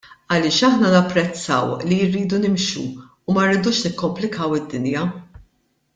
Għaliex aħna napprezzaw li rridu nimxu u ma rridux nikkomplikaw id-dinja.